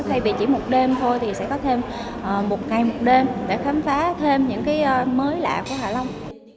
thay vì chỉ một đêm thôi thì sẽ có thêm một ngày một đêm để khám phá thêm những cái mới lạ của hạ long